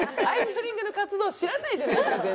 アイドリング！！！の活動知らないじゃないですか